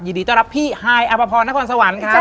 ยินดีต้อนรับพี่ฮายอัพพรนครสวรรค์ครับ